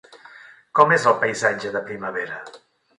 Com és el paisatge de primavera?